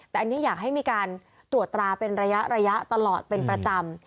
แต่อันนี้อยากให้มีการตรวจตราเป็นระยะตลอดเป็นประจำ